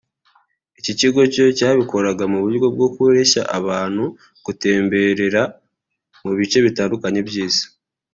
Iki kigo cyo cyabikoraga mu buryo bwo kureshya abantu gutemberera mu bice bitandukanye by’Isi